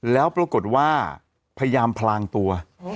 แล้วปรากฏว่าพยายามพลางตัว